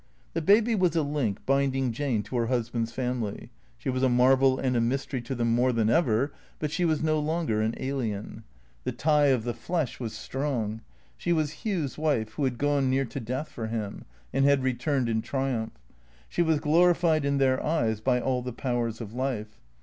The baby was a link binding Jane to her husband's family. She was a marvel and a mystery to them more than ever, but she was no longer an alien. The tie of the flesh was strong. She was Hugh's wife, who had gone near to death for him, and had returned in triumph. She was glorified in their eyes by all the powers of life.